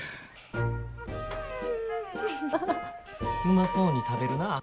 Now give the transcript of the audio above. うまそうに食べるなあ。